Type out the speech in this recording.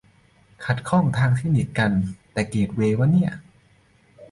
ขัดข้องทางเทคนิคกันกี่เกตเวย์วะเนี่ย